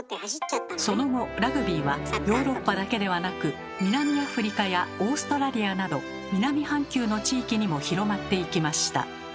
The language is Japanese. その後ラグビーはヨーロッパだけではなく南アフリカやオーストラリアなど南半球の地域にも広まっていきました。